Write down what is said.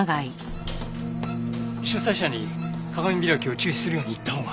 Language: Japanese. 主催者に鏡開きを中止するように言ったほうが。